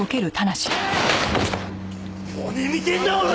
何見てんだオラ！